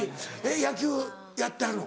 野球やってはるの？